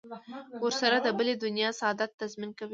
ورسره د بلې دنیا سعادت تضمین کوي.